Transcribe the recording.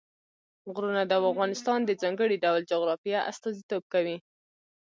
غرونه د افغانستان د ځانګړي ډول جغرافیه استازیتوب کوي.